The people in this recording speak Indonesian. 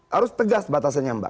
harus tegas batasannya mbak